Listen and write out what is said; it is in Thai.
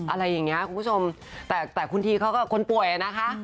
อะไรอย่างเงี้ยคุณผู้ชมแต่แต่คุณทีเขาก็คนป่วยอ่ะนะคะ